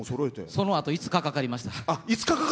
そのあと、５日かかりました。